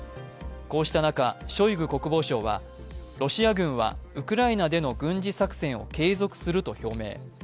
こうした中、ショイグ国防相は、ロシア軍は、ウクライナでの軍事作戦を継続すると表明。